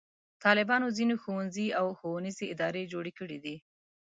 طالبانو ځینې ښوونځي او ښوونیزې ادارې جوړې کړې دي.